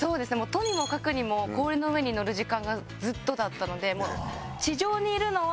とにもかくにも氷の上にのる時間がずっとだったので。